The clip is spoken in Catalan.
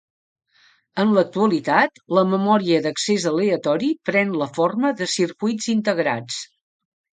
En l'actualitat, la memòria d'accés aleatori pren la forma de circuits integrats.